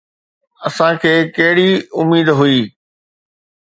اسان کي ڪهڙي اميد هئي؟